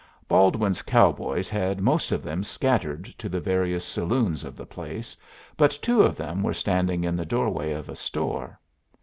Baldwin's cowboys had most of them scattered to the various saloons of the place, but two of them were standing in the door way of a store.